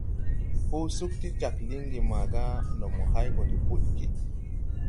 Hɔɔ sug ti jāg lingi maga ndo mo hay gɔ de budgi.